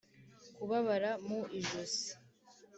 kubabara mu ijosi